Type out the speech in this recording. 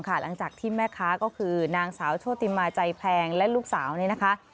หลังจากที่แม่ค้าก็คือนางสาวโชติมาใจแพงและลูกสาวนี่นะคะ